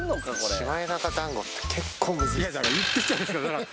シマエナガだんごって、結構むず言ってるじゃないですか。